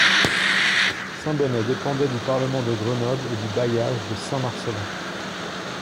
Saint-Bonnet dépendait du parlement de Grenoble et du bailliage de Saint-Marcellin.